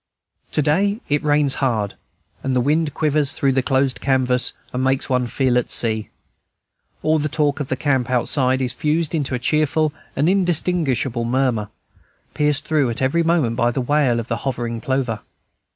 To day it rains hard, and the wind quivers through the closed canvas, and makes one feel at sea. All the talk of the camp outside is fused into a cheerful and indistinguishable murmur, pierced through at every moment by the wail of the hovering plover.